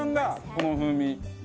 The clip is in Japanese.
この風味。